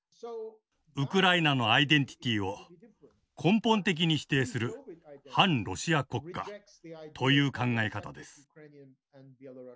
ウクライナのアイデンティティを根本的に否定する汎ロシア国家という考え方です。